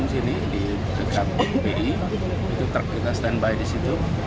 di ujung sini di dekat wi itu terkita standby di situ